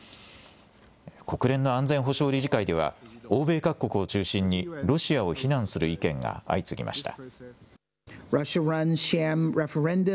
国連の安全保障理事会では、欧米各国を中心にロシアを非難する意見が相次ぎました。